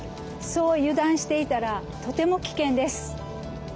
そう油だんしていたらとてもきけんです。